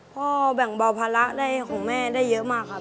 เพราะว่าต่อแบ่งบ่าวภาระของแม่ได้เยอะมากครับ